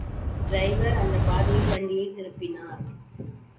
Driver அந்தப் பாதையில் வண்டியைத் திருப்பினார்.